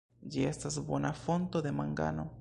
Ĝi estas bona fonto de mangano.